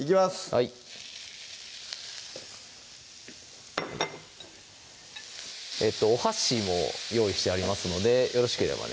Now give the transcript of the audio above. はいお箸も用意してありますのでよろしければね